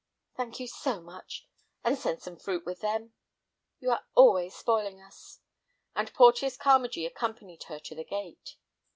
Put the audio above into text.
"Thank you so much." "And send some fruit with them." "You are always spoiling us." And Porteus Carmagee accompanied her to the gate.